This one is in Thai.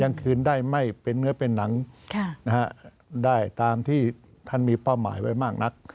กลางคืนได้ไม่เป็นเนื้อเป็นหนังได้ตามที่ท่านมีเป้าหมายไว้มากนัก